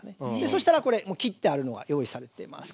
そしたらこれもう切ってあるのが用意されてます。